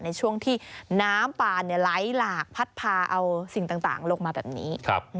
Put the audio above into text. ในช่วงที่น้ำปลาไหลหลากพัดพาเอาสิ่งต่างลงมาแบบนี้